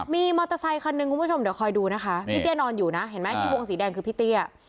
มีมอเตอร์ไซคันหนึ่งคุณผู้ชมเดี๋ยวคอยดูนะคะพี่เตี้ยนอนอยู่นะเห็นไหมที่วงสีแดงคือพี่เตี้ย